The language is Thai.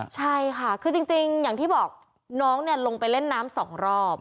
ใช่ค่ะคือจริงอย่างที่บอกน้องลงไปเล่นน้ำสองรอบ